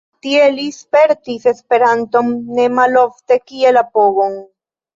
Tie li spertis Esperanton ne malofte kiel apogon.